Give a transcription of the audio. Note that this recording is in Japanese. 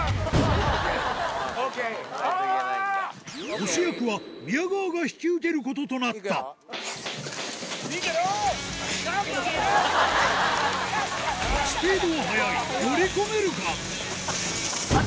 押し役は宮川が引き受けることとなったスピードは速いあっ！